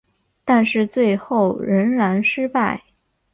但是最后仍然失败。